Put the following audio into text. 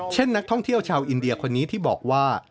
นักท่องเที่ยวชาวอินเดียคนนี้ที่บอกว่า